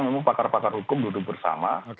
memang pakar pakar hukum duduk bersama